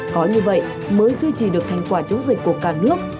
có như vậy mới duy trì được thành quả chống dịch của cả nước